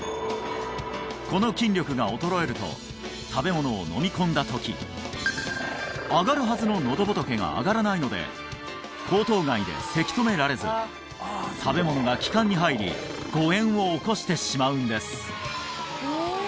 この筋力が衰えると食べ物を飲み込んだ時上がるはずののど仏が上がらないので喉頭蓋でせき止められず食べ物が気管に入り誤嚥を起こしてしまうんです